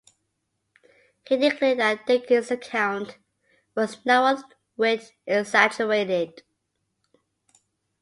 He declared that Dickens's account was 'not one whit exaggerated'.